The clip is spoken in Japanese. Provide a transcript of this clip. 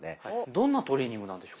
どんなトレーニングなんでしょう？